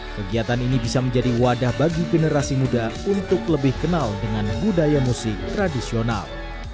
kegiatan ini bisa menjadi wadah bagi generasi muda untuk lebih kenal dengan budaya musik tradisional